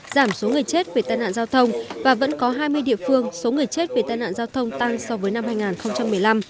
giảm số người chết vì tai nạn giao thông và vẫn có hai mươi địa phương số người chết vì tai nạn giao thông tăng so với năm hai nghìn một mươi năm